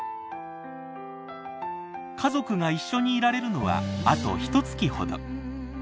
家族が一緒にいられるのはあとひとつきほど。